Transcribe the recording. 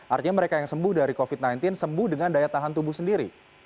artinya mereka yang sembuh dari covid sembilan belas sembuh dengan daya tahan tubuh sendiri